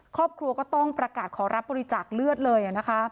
ครอบครัวก็ต้องประกาศขอรับบริจาคเลือดเลย